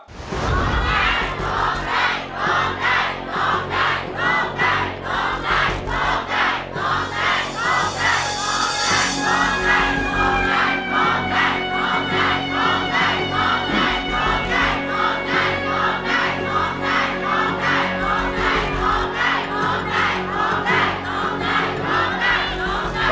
โทษใจโทษใจโทษใจโทษใจโทษใจ